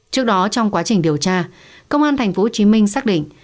trước đó trong quá trình điều tra công an tp hcm xác định